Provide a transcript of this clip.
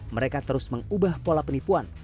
mereka terus mengubah pola penipuan